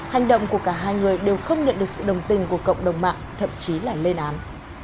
hành động của cả hai người đều không nhận được sự đồng tình của cộng đồng mạng thậm chí là lên án